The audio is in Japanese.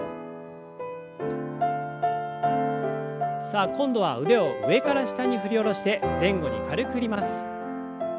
さあ今度は腕を上から下に振り下ろして前後に軽く振ります。